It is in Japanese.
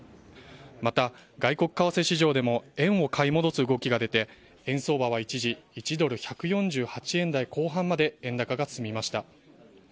また、外国為替市場でも円を買い戻す動きが出て、円相場は一時１ドル１４８円台後半まで円高が進みました。